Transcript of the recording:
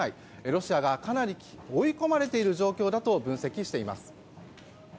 ロシアがかなり追い込まれている状況だと分析しています。